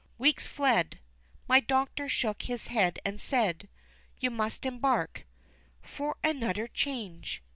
Weeks fled. My doctor shook his head and said, "You must embark For an utter change."